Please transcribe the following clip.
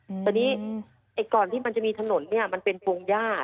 อืมตอนนี้ไอ้ก่อนที่มันจะมีถนนเนี่ยมันเป็นพวงย่าค่ะ